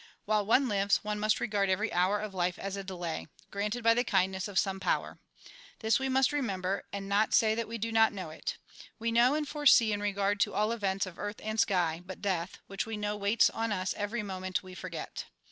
While one lives, one must regard every hour of life as a delay, granted by the kindness of some power. This we must remember, and not say that we do not know it. We know and foresee in regard to all events of earth and sky, but death, which we know waits on us every moment, we forget.